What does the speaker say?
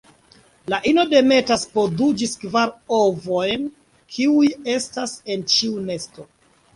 La ino demetas po du ĝis kvar ovojn kiuj estas en ĉiu nesto.